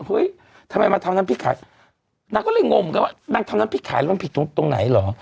เฮ้ยทำไมมาทำน้ำพริกขายนางก็เลยงงเหมือนกันว่านางทำน้ำพริกขายแล้วมันผิดตรงไหนเหรอ